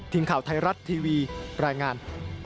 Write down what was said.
ทีมข่าวไทยรัฐทีวีรายงาน